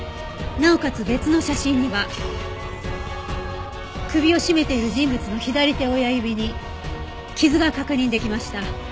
なおかつ別の写真には首を絞めている人物の左手親指に傷が確認できました。